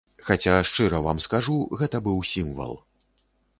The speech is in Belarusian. Хаця, шчыра вам скажу, гэта быў сімвал.